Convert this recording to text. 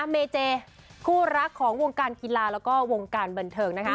เมเจคู่รักของวงการกีฬาแล้วก็วงการบันเทิงนะคะ